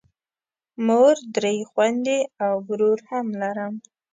مور، درې خویندې او ورور هم لرم.